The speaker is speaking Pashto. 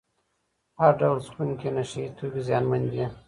هر ډول څکونکي نشه یې توکي زیانمن دي.